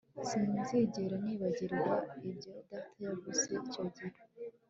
Sinzigera nibagirwa ibyo Data yavuze icyo gihe